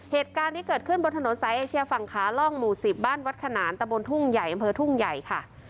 เหตุการณ์นี้เกิดขึ้นบนถนนสายเอเชียฝั่งขาล่องหมู่๑๐บ้านวัดขนานตะบนทุ่งใหญ่อำเภอทุ่งใหญ่ค่ะ